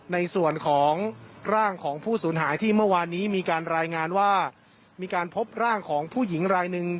ในส่วนของร่างของผู้สูญหายที่เมื่อวานนี้มีการรายงานว่ามีการพบร่างของผู้หญิงรายหนึ่ง